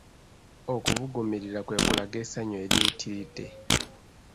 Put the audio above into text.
Okubuguumirira kwe kulaga essanyu eriyitiridde